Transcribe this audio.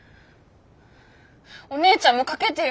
お姉ちゃんもかけてよ！